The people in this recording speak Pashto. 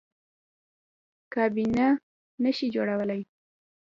کابینه نه شي جوړولی.